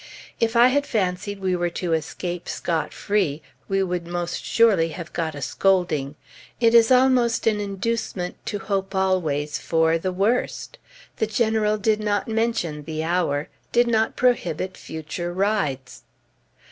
If I had fancied we were to escape scot free, we would most surely have got a scolding. It is almost an inducement to hope always for the worst! The General did not mention the hour! did not prohibit future rides!